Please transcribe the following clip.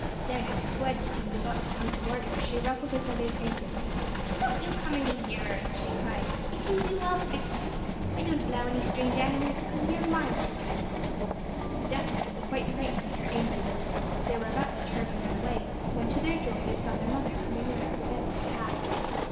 Then as Squdge seemed about to come toward her she ruffled her feathers angrily. "Don't you come any nearer," she cried, "if you do I'll peck you. I don't allow any strange animals to come near my children." The ducklings were quite frightened at her angry looks. They were about to turn and run away, when to their joy they saw their mother coming around a bend in the path.